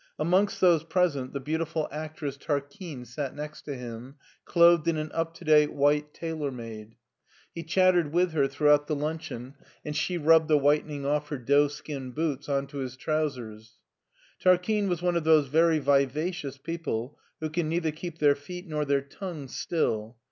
Amongst those present the beautiful actress, aaa BERLIN 223 Tarquine, sat next to him, clothed in an up to date white tailor made. He chattered with her throughout the luncheon, and she rubbed the whitening off her doeskin boots on to his trousers. Tarquine was one of those very vivacious people who can neither keep their feet nor their tongues still.